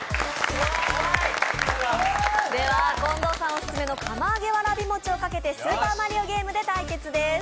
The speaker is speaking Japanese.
オススメの釜あげわらび餅を賭けて「スーパーマリオ」ゲームで対決です。